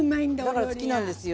だから好きなんですよ